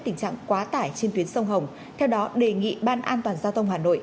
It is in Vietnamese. phương tiện thủy chở quá tải trên tuyến sông hồng theo đó đề nghị ban an toàn giao thông hà nội